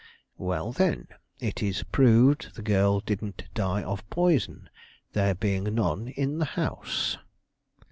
"Well, then, it is proved the girl didn't die of poison, there being none in the house."